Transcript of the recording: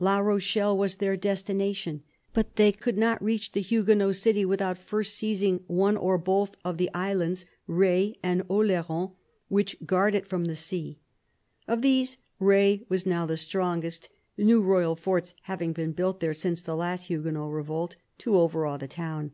La Rochelle was their destination ; but they could not reach the Huguenot city without first seizing one or both of the islands, Re and Oleron, which guard it from the sea. Of these. Re was now the strongest, new royal forts having been built there since the last Huguenot revolt, to overawe the town.